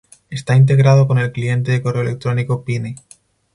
Está integrado con el cliente de correo electrónico Pine.